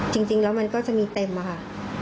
จริงแล้วมันก็จะมีเต็มค่ะ